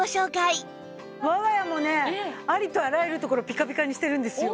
我が家もねありとあらゆる所ピカピカにしてるんですよ。